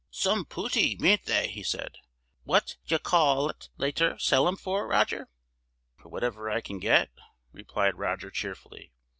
"Some pooty, be n't they?" he said. "What d'ye cal'late ter sell 'em for, Roger?" "For whatever I can get," replied Roger, cheerfully.